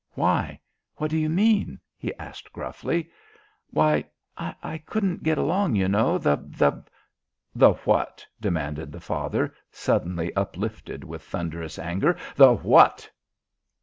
"Why, what do you mean?" he asked gruffly. "Why, I couldn't get along, you know. The the " "The what?" demanded the father, suddenly uplifted with thunderous anger. "The what?"